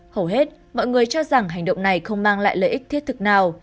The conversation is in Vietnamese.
hầu hết mọi người cho rằng hành động này không mang lại lợi ích thiết thực nào